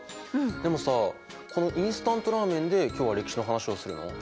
でもさこのインスタントラーメンで今日は歴史の話をするの？